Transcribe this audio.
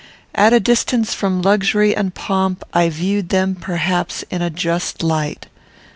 At a distance from luxury and pomp, I viewed them, perhaps, in a just light.